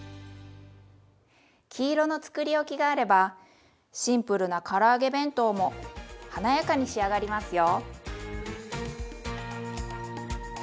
黄色のつくりおきがあればシンプルなから揚げ弁当も華やかに仕上がりますよ。